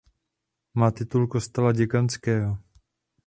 Má titul kostela děkanského.